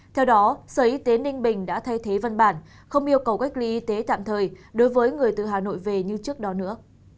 theo đó sở y tế ninh bình đã thay thế văn bản không yêu cầu cách ly y tế tạm thời đối với người từ hà nội về như trước đó nữa